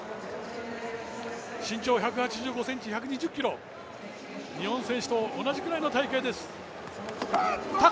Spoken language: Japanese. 身長１８５ｃｍ、１２０ｋｇ、日本選手と同じぐらいの体型です。